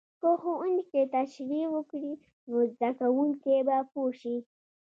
که ښوونکی تشریح وکړي، نو زده کوونکی به پوه شي.